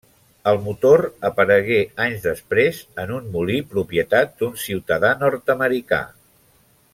El motor aparegué anys després en un molí propietat d'un ciutadà nord-americà.